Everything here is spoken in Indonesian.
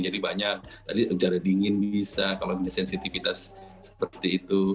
banyak tadi jarak dingin bisa kalau punya sensitivitas seperti itu